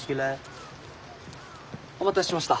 お待たせしました。